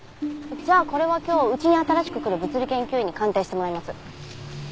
じゃあこれは今日うちに新しく来る物理研究員に鑑定してもらいます。